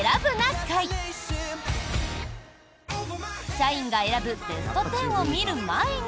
社員が選ぶベスト１０を見る前に。